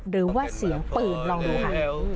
หรือว่าเสียงปืนลองดูค่ะ